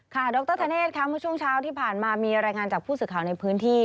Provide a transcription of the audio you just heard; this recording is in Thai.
ดรธเนธค่ะเมื่อช่วงเช้าที่ผ่านมามีรายงานจากผู้สื่อข่าวในพื้นที่